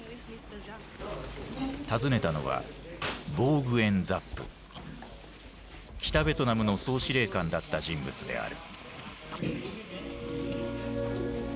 訪ねたのは北ベトナムの総司令官だった人物である。